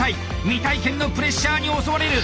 未体験のプレッシャーに襲われる！